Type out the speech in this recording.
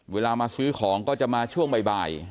เวลามาซื้อของก็จะมาช่วงบ่าย